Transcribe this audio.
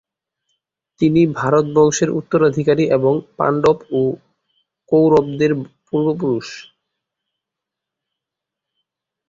তিনি ভারত বংশের উত্তরাধিকারী এবং পাণ্ডব ও কৌরবদের পূর্বপুরুষ।